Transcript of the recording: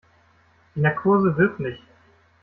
Die Narkose wirkt nicht.